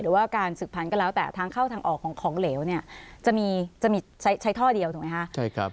หรือว่าการสืบผันกันแล้วแต่ทางเข้าทางออกของของเหลวเนี่ยจะมีใช้ท่อเดียวถูกมั้ยคะ